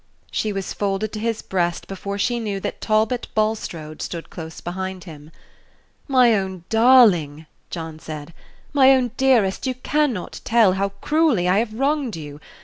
She was folded to his breast before she knew that Talbot Bulstrode stood close behind him. "My own darling," John said, "my own dearest, you can not tell how cruelly I have wronged you.